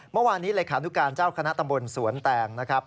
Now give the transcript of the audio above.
เมื่อวานนี้เลขานุการเจ้าคณะตำบลสวนแตงนะครับ